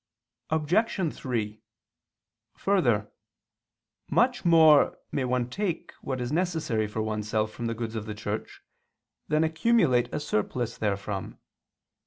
Obj. 3: Further, much more may one take what is necessary for oneself from the goods of the Church, than accumulate a surplus therefrom.